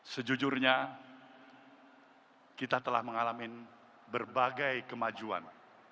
sejujurnya kita telah mengalami berbagai kemajuan